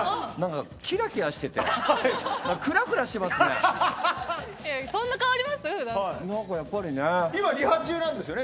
キラキラしていてクラクラしますね。